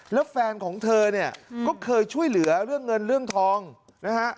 แล้วแฟนของเธอเนี่ยก็เคยช่วยเหลือเรื่องเงินเรื่องทองนะฮะ